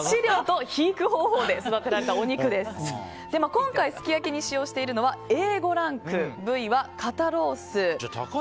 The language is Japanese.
今回すき焼きに使用しているのはＡ５ランク、部位は肩ロース。